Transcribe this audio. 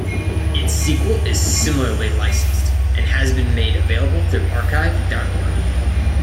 Its sequel is similarly licensed, and has been made available through archive dot org.